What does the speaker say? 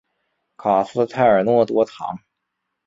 卡斯泰尔诺多藏。